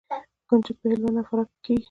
کنجد په هلمند او فراه کې کیږي.